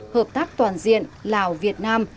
hợp tác toàn diện lào việt nam